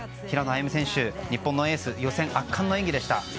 平野歩夢選手、日本のエース予選、圧巻の演技でした。